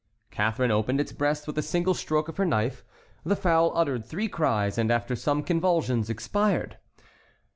Catharine opened its breast with a single stroke of her knife; the fowl uttered three cries, and, after some convulsions, expired.